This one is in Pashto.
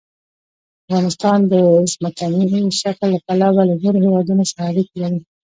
افغانستان د ځمکنی شکل له پلوه له نورو هېوادونو سره اړیکې لري.